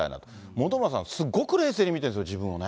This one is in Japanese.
本村さん、すごく冷静に見てるんですね、自分をね。